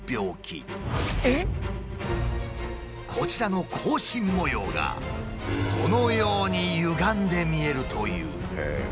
こちらの格子模様がこのようにゆがんで見えるという。